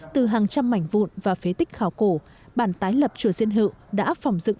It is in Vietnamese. từ hàng trăm mảnh vụn và phế tích khảo cổ bản tái lập chùa riêng hiệu đã phòng dựng